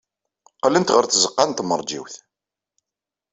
Qqlent ɣer tzeɣɣa n tmeṛjiwt.